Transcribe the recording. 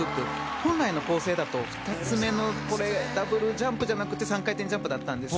本来の構成だと２つ目のダブルジャンプじゃなくて３回転ジャンプだったんです。